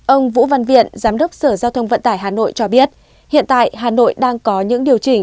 ông vũ văn viện giám đốc sở giao thông vận tải hà nội cho biết hiện tại hà nội đang có những điều chỉnh